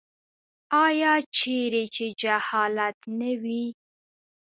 آیا چیرې چې جهالت نه وي؟